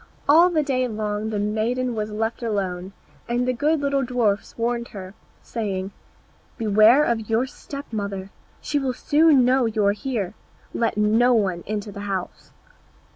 All the day long the maiden was left alone, and the good little dwarfs warned her, saying, "Beware of your step mother, she will soon know you are here. Let no one into the house."